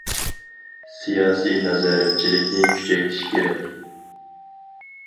سىياسىي نازارەتچىلىكنى كۈچەيتىش كېرەك.